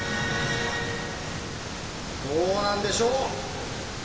どうなんでしょう？